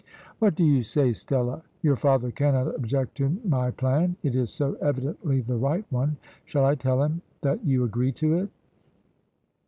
What do you say, Stella? Your father cannot object to my plan it is so evidently the right one. Shall I tell him that you agree to it?"